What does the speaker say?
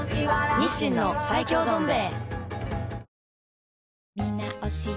日清の最強どん兵衛